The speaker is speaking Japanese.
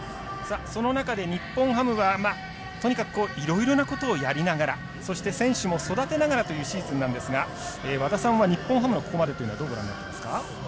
その中で日本ハムはとにかくいろいろなことをやりながらそして選手も育てながらというシーズンなんですが和田さんは日本ハムのここまでどうご覧になってますか？